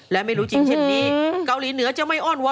และไม่รู้จริงเช่นนี้เกาหลีเหนือจะไม่อ้อนวอ